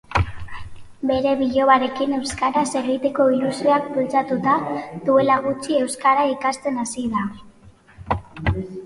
Bere bilobarekin euskaraz egiteko ilusioak bultzatuta, duela gutxi euskara ikasten hasi da.